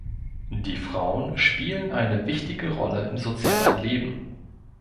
Die Frauen spielen eine wichtige Rolle im sozialen Leben.